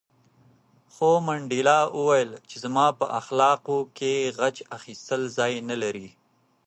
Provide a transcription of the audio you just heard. خو منډېلا وویل چې زما په اخلاقو کې غچ اخیستل ځای نه لري.